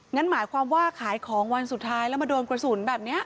งั้นหมายความว่าขายของวันสุดท้ายแล้วมาโดนกระสุนแบบนี้